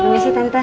terima kasih tante